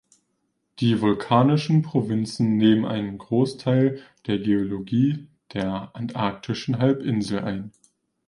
Die Vulkanischen Provinzen nehmen einen Großteil der Geologie der Antarktischen Halbinsel ein.